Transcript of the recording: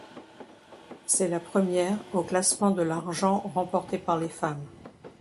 C'est la première au classement de l'argent remporté par les femmes.